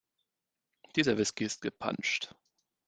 Dieser Whisky ist gepanscht.